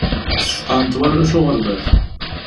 Sfeqɛen-t warrac uɣerbaz.